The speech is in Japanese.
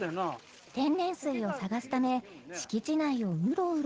［天然水を探すため敷地内をうろうろ］